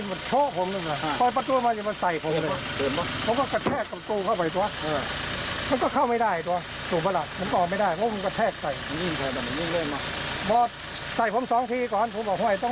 เพราะเขาคืนได้ว่าปั้งกันแล้วมีคนเห็น